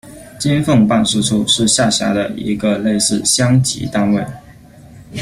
金凤办事处是下辖的一个类似乡级单位。